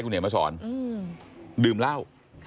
ดื่มเหล้า